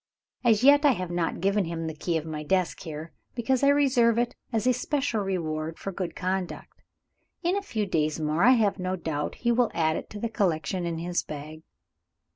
As yet I have not given him the key of my desk here, because I reserve it as a special reward for good conduct. In a few days more I have no doubt he will add it to the collection in his bag."